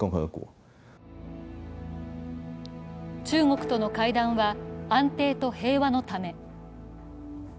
中国との会談は安定と平和のため。